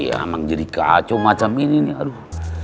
emang jadi kacau macam ini nih aduh